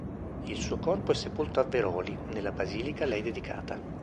Il suo corpo è sepolto a Veroli, nella basilica a lei dedicata.